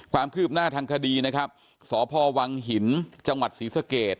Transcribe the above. ความคืบหน้าทางคดีนะครับสพวังหินจังหวัดศรีสเกต